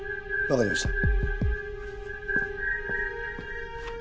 わかりました。